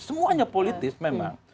semuanya politis memang